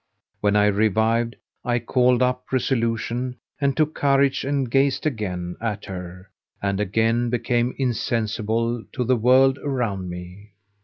When I revived, I called up resolution and took courage and gazed again at her and again became insensible to the world around me.